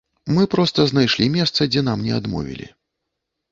Мы проста знайшлі месца, дзе нам не адмовілі.